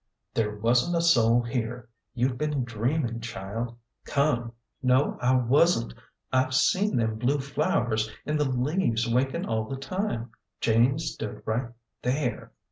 " There wasn't a soul here. You've been dreaming, child. Come !"" No, I wasn't. I've seen them blue flowers an' the leaves winkin' all the time. Jane stood right there."